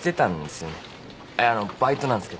あっいやあのバイトなんすけど。